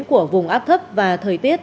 của vùng áp thấp và thời tiết